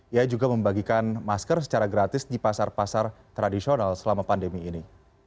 ia juga membagikan masker secara gratis di pasar pasar tradisional selama pandemi ini